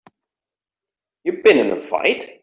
You been in a fight?